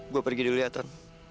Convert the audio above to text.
gue pergi dulu ya ton